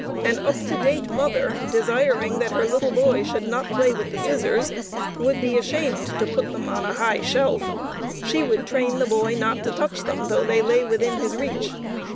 An up to date mother, desiring that her little boy should not play with the scissors, would be ashamed to put them on a high shelf: she would train the boy not to touch them though they lay within his reach.